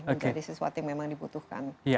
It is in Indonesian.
menjadi sesuatu yang memang dibutuhkan